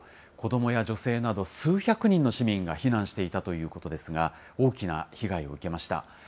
子どもや女性など、数百人の市民が避難していたということですが、大きな被害を受けました。